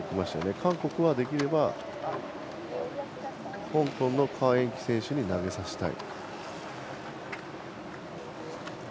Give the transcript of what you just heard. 韓国はできれば、香港の何宛淇選手に投げさせたい。